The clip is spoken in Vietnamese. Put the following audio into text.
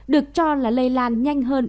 được cho là lây lan nhanh hơn